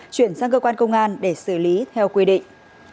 chuyển sang cơ quan công an để xử lý theo quy định